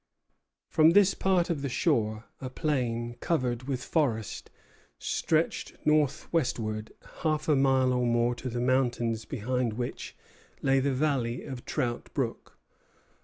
From this part of the shore a plain covered with forest stretched northwestward half a mile or more to the mountains behind which lay the valley of Trout Brook.